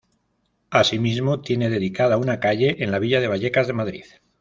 Así mismo, tiene dedicada una calle en la Villa de Vallecas de Madrid.